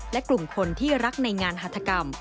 และกลุ่มคนที่รักในงานหัฐกรรม